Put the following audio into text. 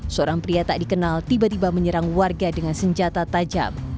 seorang pria tak dikenal tiba tiba menyerang warga dengan senjata tajam